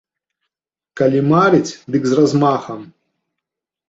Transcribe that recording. Калі марыць, дык з размахам.